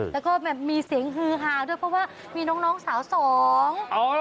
แล้วก็แบบมีเสียงฮือฮาด้วยเพราะว่ามีน้องน้องสาวสอง